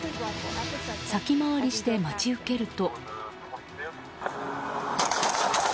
先回りして待ち受けると。